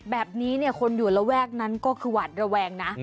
แบบนี้คนอยู่ระแวกนั้นก็คือหวัดระแวงนะ